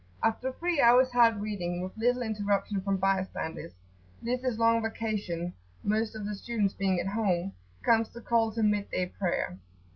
After three hours' hard reading, with little interruption from bystanders this is long vacation, most of the students being at home comes the call to mid day prayer.